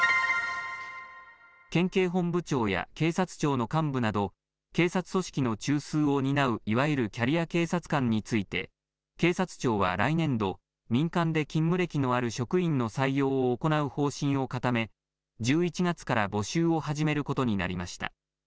県警本部長や警察庁の幹部など、警察組織の中枢を担ういわゆるキャリア警察官について、警察庁は来年度、民間で勤務歴のある職員の採用を行う方針を固め、１１月から募集を始めることになりました。